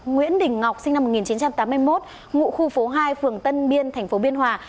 nguyễn đình ngọc sinh năm một nghìn chín trăm tám mươi một ngụ khu phố hai phường tân biên tp biên hòa